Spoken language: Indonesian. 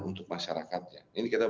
untuk masyarakatnya ini kita